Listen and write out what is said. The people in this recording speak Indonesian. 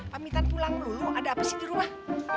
pamitan pulang dulu ada apa sih di rumah